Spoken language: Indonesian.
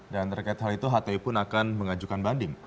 dan terkait hal itu hti pun akan mengajukan banding